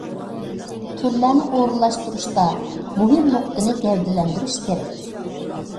تۈرلەرنى ئورۇنلاشتۇرۇشتا مۇھىم نۇقتىنى گەۋدىلەندۈرۈش كېرەك.